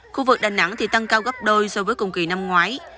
khu vực đà nẵng thì tăng cao gấp đôi so với cùng kỳ năm ngoái